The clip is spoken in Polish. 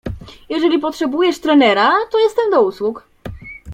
"Jeżeli potrzebujesz trenera, to jestem do usług."